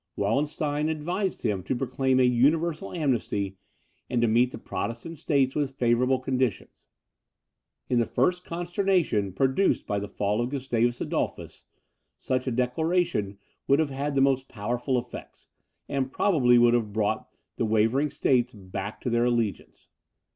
Wallenstein advised him to proclaim a universal amnesty, and to meet the Protestant states with favourable conditions. In the first consternation produced by the fall of Gustavus Adolphus, such a declaration would have had the most powerful effects, and probably would have brought the wavering states back to their allegiance.